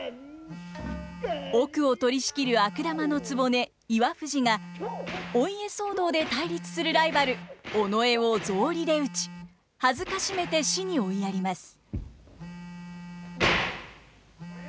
奥を取りしきる悪玉の局岩藤がお家騒動で対立するライバル尾上を草履で打ち辱めて死に追いやります。